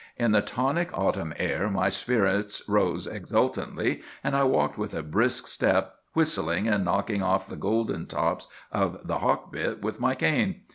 In the tonic autumn air my spirits rose exultantly, and I walked with a brisk step, whistling and knocking off the golden tops of the hawk bit with my cane.